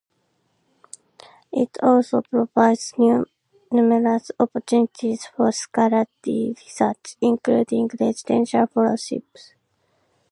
It also provides numerous opportunities for scholarly research, including residential fellowships.